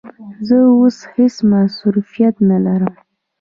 زه اوس هیڅ مصروفیت نه لرم.